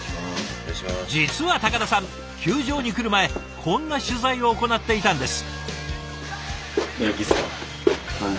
実は高田さん球場に来る前こんな取材を行っていたんです。